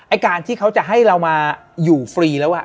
การที่เขาจะให้เรามาอยู่ฟรีแล้ว